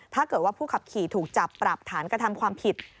ถ้าเกิดว่าผู้ขับขี่ถูกจับปรับฐานกระทำความผิด